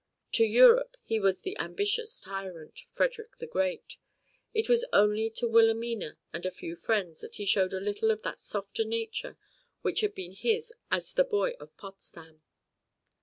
To Europe he was the ambitious tyrant, Frederick the Great. It was only to Wilhelmina and a few friends that he showed a little of that softer nature which had been his as the boy of Potsdam.